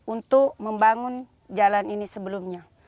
untuk membangun jalan ini sebelumnya